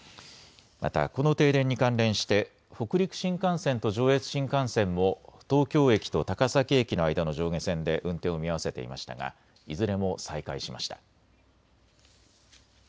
またこの停電に関連して北陸新幹線と上越新幹線も東京駅と高崎駅の間の上下線で運転を見合わせていましたがいずれも再開しました。